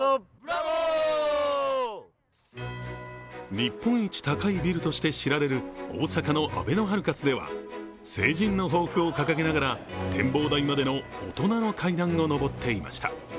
日本一高いビルとして知られる大阪のあべのハルカスでは成人の抱負を掲げながら展望台までの大人の階段を上っていました。